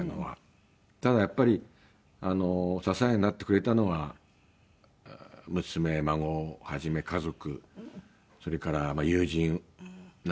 ただやっぱり支えになってくれたのは娘孫をはじめ家族それから友人なんですけど。